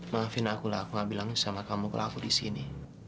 maafin aku lah aku gak bilang sama kamu kalau aku disini